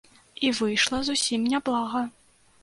І выйшла зусім не блага.